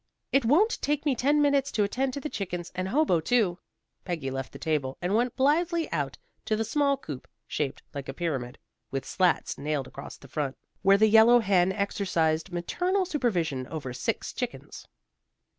"It won't take me ten minutes to attend to the chickens and Hobo, too." Peggy left the table, and went blithely out to the small coop, shaped like a pyramid, with slats nailed across the front, where the yellow hen exercised maternal supervision over six chickens.